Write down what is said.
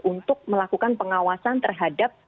untuk melakukan pengawasan terhadap